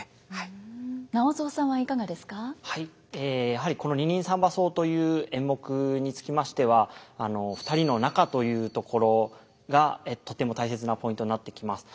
やはりこの「二人三番叟」という演目につきましては「二人の仲」というところがとても大切なポイントになってきます。